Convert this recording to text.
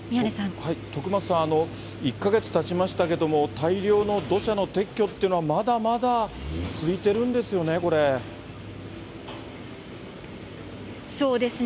徳増さん、１か月たちましたけれども、大量の土砂の撤去っていうのは、まだまだ続いてるんでそうですね。